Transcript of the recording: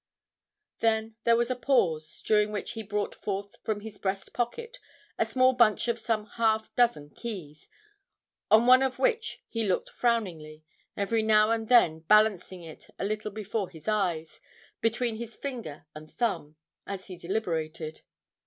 Then there was a pause, during which he brought forth from his breast pocket a small bunch of some half dozen keys, on one of which he looked frowningly, every now and then balancing it a little before his eyes, between his finger and thumb, as he deliberated.